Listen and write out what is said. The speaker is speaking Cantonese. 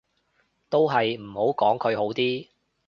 都係唔好講佢好啲